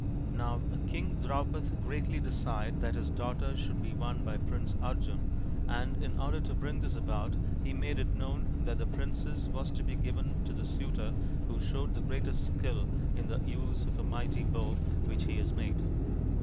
Now King Draupad greatly desired that his daughter should be won by Prince Arjun, and in order to bring this about he made it known that the princess was to be given to the suitor who showed the greatest skill in the use of a mighty bow which he had made.